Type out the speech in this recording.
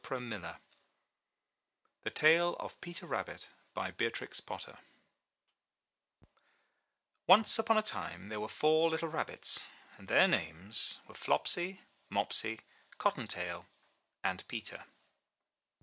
185 MY BOOK HOUSE TALE OF PETER RABBIT Beatrix Potter Once upon a time there were four little Rabbits, and their names were — Flopsy, Mopsy, Cotton Tail, and Peter.